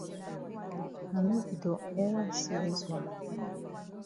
I no be don ever see dis wan.